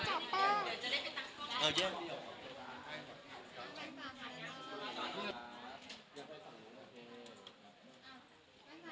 โอเคขอบคุณแบงค์จ้า